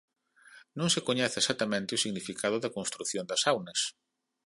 Non se coñece exactamente o significado da construción das saunas.